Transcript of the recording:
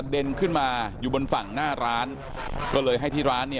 มันเคยเกิดเกิดเอศแบบนี้บ่อยไหมเขาเนี้ยอืมบ่อยค่ะเพราะว่า